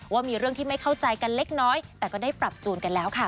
ว่ามีเรื่องที่ไม่เข้าใจกันเล็กน้อยแต่ก็ได้ปรับจูนกันแล้วค่ะ